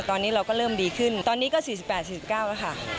ตอนนี้เราก็เริ่มดีขึ้นตอนนี้ก็สี่สิบแปดสี่สิบเก้าแล้วค่ะ